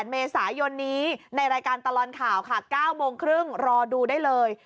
๒๘เมษายนนี้ในรายการตลอนข่าว๙๓๐รอดูได้เลย